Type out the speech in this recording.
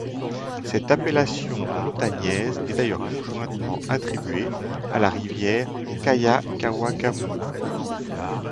Cette appellation montagnaise est d'ailleurs conjointement attribué à la rivière Kayakawakamau.